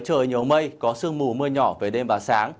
trời nhiều mây có sương mù mưa nhỏ về đêm và sáng